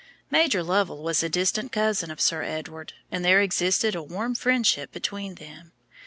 Major Lovell was a distant cousin of Sir Edward, and there existed a warm friendship between them.